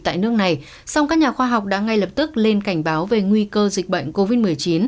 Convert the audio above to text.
tại nước này song các nhà khoa học đã ngay lập tức lên cảnh báo về nguy cơ dịch bệnh covid một mươi chín